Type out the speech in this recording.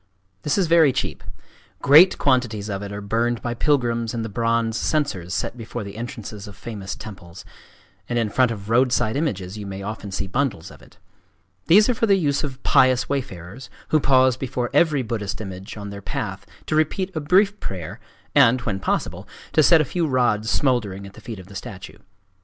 This is very cheap. Great quantities of it are burned by pilgrims in the bronze censers set before the entrances of famous temples; and in front of roadside images you may often see bundles of it. These are for the use of pious wayfarers, who pause before every Buddhist image on their path to repeat a brief prayer and, when possible, to set a few rods smouldering at the feet of the statue.